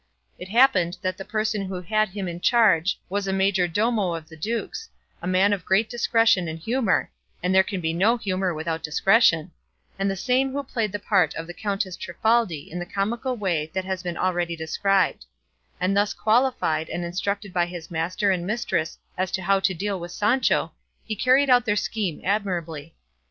It happened that the person who had him in charge was a majordomo of the duke's, a man of great discretion and humour and there can be no humour without discretion and the same who played the part of the Countess Trifaldi in the comical way that has been already described; and thus qualified, and instructed by his master and mistress as to how to deal with Sancho, he carried out their scheme admirably.